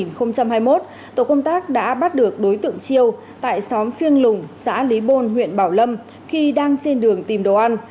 năm hai nghìn hai mươi một tổ công tác đã bắt được đối tượng chiêu tại xóm phiêng lùng xã lý bôn huyện bảo lâm khi đang trên đường tìm đồ ăn